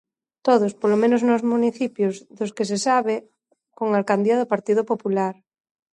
Todos, polo menos nos municipios dos que se sabe, con alcaldía do Partido Popular.